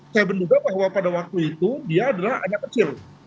saya menduga bahwa pada waktu itu dia adalah anak kecil